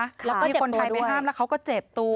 แล้วก็เจ็บตัวด้วยมีคนที่ไปห้ามแล้วเขาก็เจ็บตัว